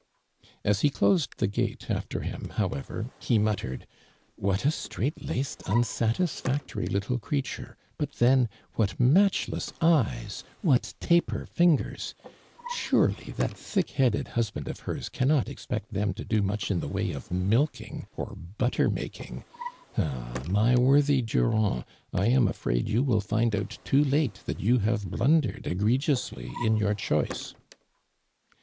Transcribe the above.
As he closed the gate after him, however, he muttered: " What a strait laced, unsa tisfactory little creature, hut then, what matchless eyes, what taper fingers ! Sure ly, that thick headed husband of hers can not expect them to do muclj in the way of milking or butter making. Ah ! my worthy Durand, 1 am afraid you will find out too late that you have blundered cgregiously in your choice."